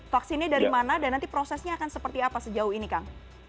vaksinnya dari mana dan nanti prosesnya akan seperti apa sejauh ini kang